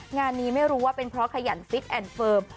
งานนี้ไม่รู้ว่าเป็นเพราะขยันฟิตแอนดเฟิร์ม